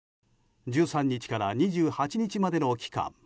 １３日から２８日までの期間